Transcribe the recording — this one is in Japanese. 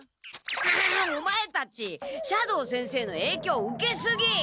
オマエたち斜堂先生のえいきょう受けすぎ！